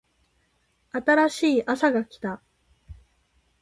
新しいあさが来た